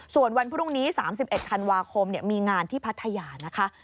ส่วนวันพรุ่งนี้๓๑ธันวาคมมีงานที่พัทยานะคะ